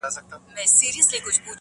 د پښتنو درنې جرګې به تر وړۍ سپکي سي!